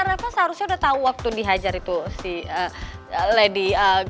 reva seharusnya udah tau waktu dihajar itu si lady